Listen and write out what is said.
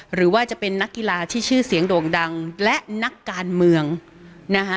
หรือว่าจะเป็นนักกีฬาที่ชื่อเสียงโด่งดังและนักการเมืองนะคะ